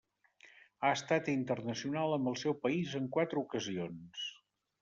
Ha estat internacional amb el seu país en quatre ocasions.